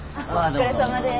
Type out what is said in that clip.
お疲れさまです。